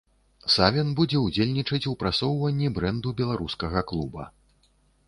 Савін будзе ўдзельнічаць у прасоўванні брэнду беларускага клуба.